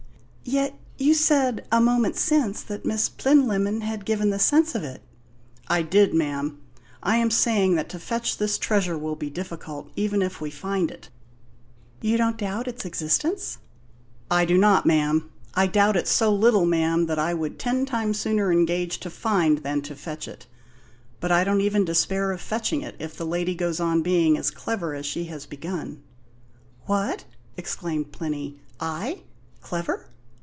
"Yet you said, a moment since, that Miss Plinlimmon had given the sense of it?" "I did, ma'am. I am saying that to fetch this treasure will be difficult, even if we find it " "You don't doubt its existence?" "I do not, ma'am. I doubt it so little, ma'am, that I would ten times sooner engage to find than to fetch it. But I don't even despair of fetching it, if the lady goes on being as clever as she has begun." "What?" exclaimed Plinny. "I? Clever?"